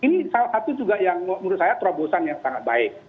ini salah satu juga yang menurut saya terobosan yang sangat baik